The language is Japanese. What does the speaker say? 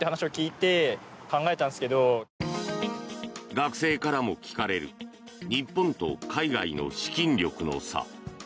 学生からも聞かれる日本と海外の資金力の差。